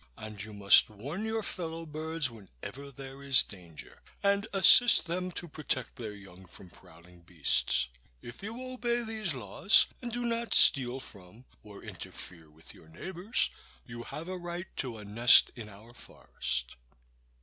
And you must warn your fellow birds whenever there is danger, and assist them to protect their young from prowling beasts. If you obey these laws, and do not steal from or interfere with your neighbors, you have a right to a nest in our forest."